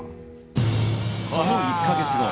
その１か月後。